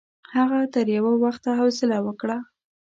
هغه تر یوه وخته حوصله وکړه.